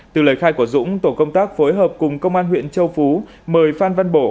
từ lời khai của dũng tổ công tác phối hợp cùng công an huyện châu phú mời phan văn bổ